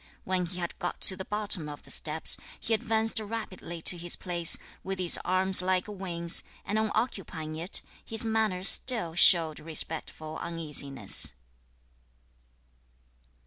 When he had got to the bottom of the steps, he advanced rapidly to his place, with his arms like wings, and on occupying it, his manner still showed respectful uneasiness.